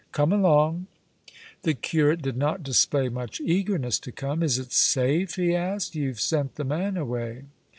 "Come along." The curate did not display much eagerness to come. "Is it safe?" he asked; "you've sent the man away."